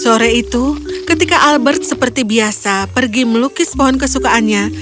sore itu ketika albert seperti biasa pergi melukis pohon kesukaannya